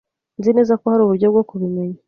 Nzi neza ko hari uburyo bwo kubimenya.